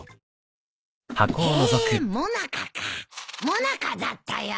もなかだったよ。